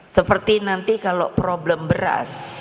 seperti nanti kalau problem beras